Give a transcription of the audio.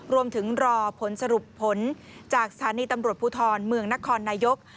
รอผลสรุปผลจากสถานีตำรวจภูทรเมืองนครนายก